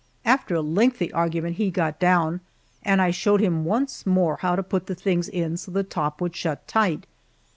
After a lengthy argument he got down, and I showed him once more how to put the things in so the top would shut tight.